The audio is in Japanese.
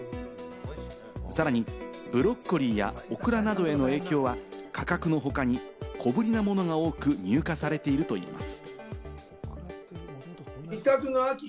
さらにブロッコリーやオクラなどへの影響は、価格の他に小ぶりなものが多く入荷されているということです。